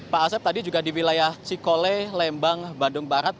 pak asep tadi juga di wilayah cikole lembang bandung barat